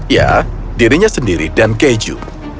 ya dirinya sendiri dan keju